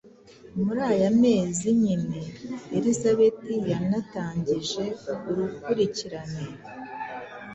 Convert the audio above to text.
Muri ayo mezi nyine, Elizabeth yanatangije urukurikirane